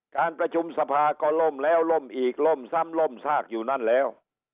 การประชุมสภาก็ล่มแล้วล่มอีกล่มซ้ำล่มซากอยู่นั่นแล้ว